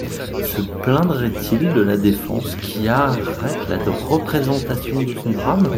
Se plaindrait-il de la défense qui arrête la représentation de son drame ?